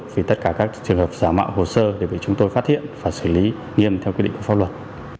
vì tất cả các trường hợp giả mạo hồ sơ để bị chúng tôi phát hiện và xử lý nghiêm theo quy định của pháp luật